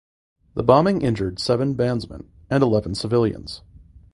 The bombing injured seven bandsmen and eleven civilians.